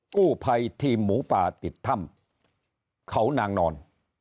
กู้ภัยทีมหมูป่าติดถ้ำเขานางนอน